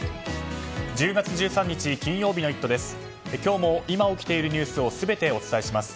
１０月１３日、金曜日の「イット！」です。